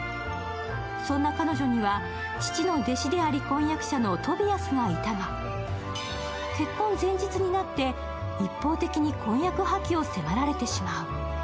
そんな彼女には、父の弟子であり婚約者のトビアスがいたが結婚前日になって一方的に婚約破棄を迫られてしまう。